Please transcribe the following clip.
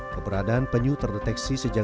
keberadaan penyuh terdeteksi sejak zaman jurasik